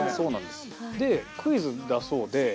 でクイズだそうで。